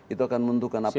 itu akan menentukan apakah